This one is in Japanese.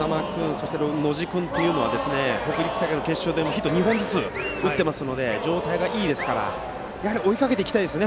それに野路君は北陸大会の決勝でもヒットを２本ずつ打っているので状態がいいですからやはり追いかけていきたいですね